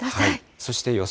そして予想